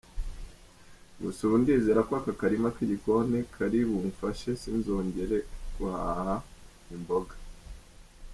Gusa ubu ndizera ko aka karima k’igikoni kari bumfashe sinzongere kuhaha imboga.